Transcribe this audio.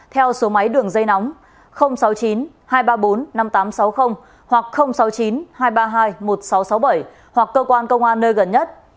theo số máy đường dây nóng sáu mươi chín hai trăm ba mươi bốn năm nghìn tám trăm sáu mươi hoặc sáu mươi chín hai trăm ba mươi hai một nghìn sáu trăm sáu mươi bảy hoặc cơ quan công an nơi gần nhất